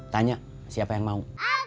tanya siapa yang mau